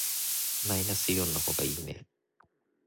マイナスイオンの方がいいね。